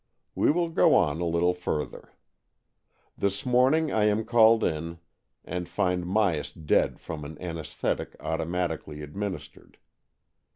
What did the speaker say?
We will go on a little further. This morning I am called in and find Myas dead from an anaesthetic auto matically administered.